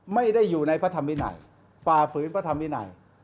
ไม่ได้อยู่ในพระธรรมวินัยฝ่าฝืนพระธรรมวินัย